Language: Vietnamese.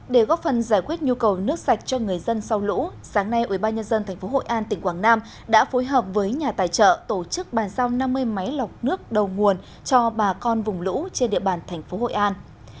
để góp phần giải quyết nhu cầu nước sạch cho người dân sau lũ sáng nay ubnd tp hội an tỉnh quảng nam đã phối hợp với nhà tài trợ tổ chức bàn giao năm mươi máy lọc nước đầu nguồn cho bà con vùng lũ trên địa bàn thành phố hội an